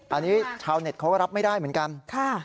อันนี้ชาวเน็ตเขาก็รับไม่ได้เหมือนกัน